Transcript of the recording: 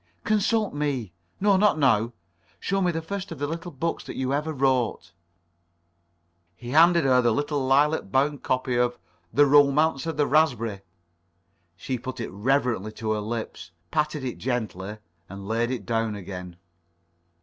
"Consult me. No, not now. Show me the first of the little books that you ever wrote." He handed her the little lilac bound copy of "The Romance of a Raspberry." She put it reverently to her lips, patted it gently, and laid it down again.